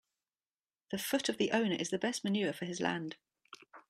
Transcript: The foot of the owner is the best manure for his land.